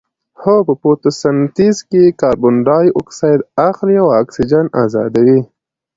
هو په فتوسنتیز کې کاربن ډای اکسایډ اخلي او اکسیجن ازادوي